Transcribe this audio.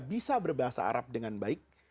bisa berbahasa arab dengan baik